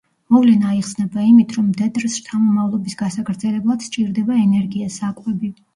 მოვლენა აიხსნება იმით, რომ მდედრს შთამომავლობის გასაგრძელებლად სჭირდება ენერგია, საკვები.